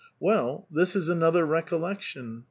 Well, this is another recollection.